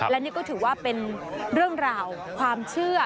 และนี่ก็ถือว่าเป็นเรื่องราวความเชื่อ